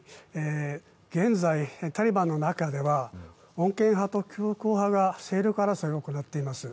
現在、タリバンの中では穏健派と強硬派が政権争いを行っています。